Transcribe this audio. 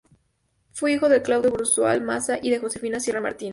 Fue hijo de Claudio Bruzual Maza y de Josefina Serra Martínez.